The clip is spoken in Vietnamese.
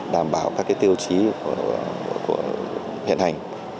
đảm bảo các tiêu chí của hiện hành